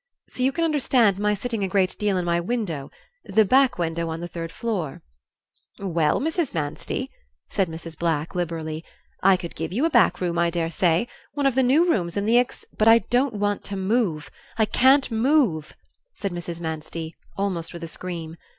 So you can understand my sitting a great deal in my window the back window on the third floor " "Well, Mrs. Manstey," said Mrs. Black, liberally, "I could give you a back room, I dare say; one of the new rooms in the ex " "But I don't want to move; I can't move," said Mrs. Manstey, almost with a scream.